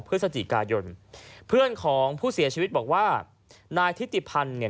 พฤศจิกายนเพื่อนของผู้เสียชีวิตบอกว่านายทิติพันธ์เนี่ย